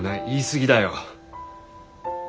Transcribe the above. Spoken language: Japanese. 言い過ぎだよ。